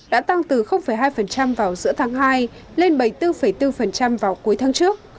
đã tăng từ hai vào giữa tháng hai lên bảy mươi bốn bốn vào cuối tháng trước